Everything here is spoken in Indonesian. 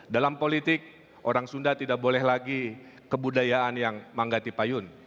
dalam politik orang sunda tidak boleh lagi kebudayaan yang mengganti payun